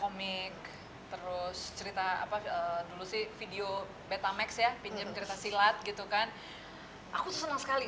komik terus cerita apa dulu sih video betamex ya pinjam cerita silat gitu kan aku senang sekali